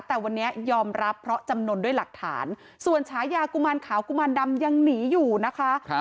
แต่วันนี้ยอมรับเพราะจำนวนด้วยหลักฐานส่วนฉายากุมารขาวกุมารดำยังหนีอยู่นะคะ